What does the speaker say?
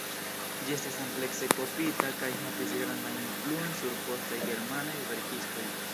Ĝi estis amplekse kopiita kaj havis grandan influon sur postaj germanaj verkistoj.